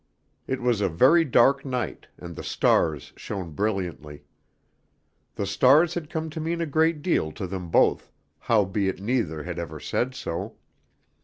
It was a very dark night, and the stars shone brilliantly. The stars had come to mean a great deal to them both, howbeit neither had ever said so.